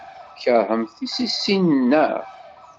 Tkeṛhemt tissisin, naɣ?